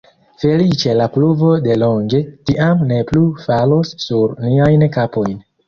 Feliĉe la pluvo de longe, tiam, ne plu falos sur niajn kapojn.